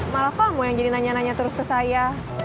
malah kamu yang jadi nanya nanya terus ke saya